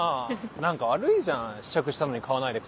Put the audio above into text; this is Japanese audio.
何か悪いじゃん試着したのに買わないで帰るの。